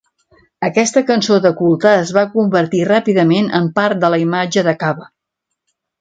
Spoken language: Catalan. Aquesta cançó de culte es va convertir ràpidament en part de la imatge de Kabba.